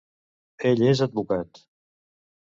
Ell és advocat.